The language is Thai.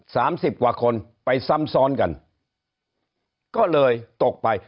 สามสิบกว่าคนไปซ้ำซ้อนกันก็เลยตกไป